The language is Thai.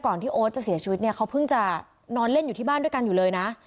ที่โอ๊ตจะเสียชีวิตเนี่ยเขาเพิ่งจะนอนเล่นอยู่ที่บ้านด้วยกันอยู่เลยนะ